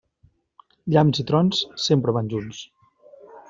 Llamps i trons sempre van junts.